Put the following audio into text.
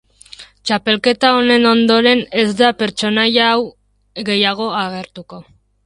Txapelketa honen ondoren ez da pertsonaia hau gehiago agertu.